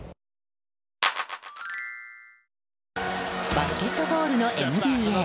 バスケットボールのＮＢＡ。